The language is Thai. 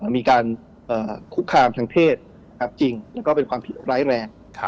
มีการคุกคามทางเพศจริงแล้วก็เป็นความผิดร้ายแรง